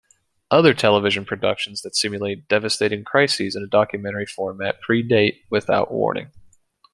Other television productions that simulate devastating crises in a documentary format predate "Without Warning".